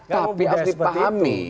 tapi harus dipahami